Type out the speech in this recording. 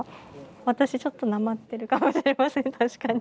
私ちょっとなまってるかもしれません確かに。